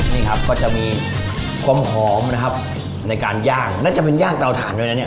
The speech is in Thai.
นี่ครับก็จะมีความหอมนะครับในการย่างน่าจะเป็นย่างเตาถ่านด้วยนะเนี่ย